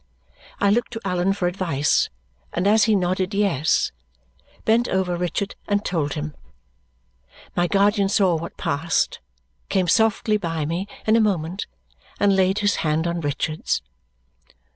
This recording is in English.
I looked to Allan for advice, and as he nodded "Yes," bent over Richard and told him. My guardian saw what passed, came softly by me in a moment, and laid his hand on Richard's.